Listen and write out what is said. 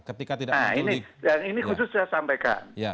nah ini khusus saya sampaikan